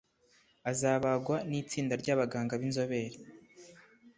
azabagwa n’itsinda ry’abaganga b’inzobere